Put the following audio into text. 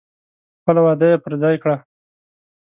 خپله وعده یې پر ځای کړه.